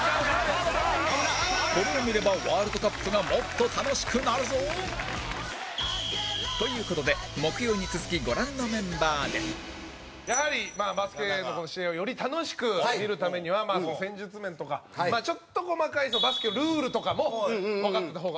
これを見ればワールドカップがもっと楽しくなるぞ！という事で木曜に続き、ご覧のメンバーで澤部：やはり、バスケの試合をより楽しく見るためには戦術面とか、ちょっと細かいバスケのルールとかもわかってた方が。